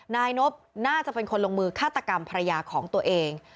นายนบน่าจะเป็นคนลงมือฆาตกรรมภรรยาของตัวเอง